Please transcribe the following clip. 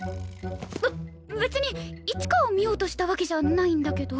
べ別に市川を見ようとしたわけじゃないんだけど。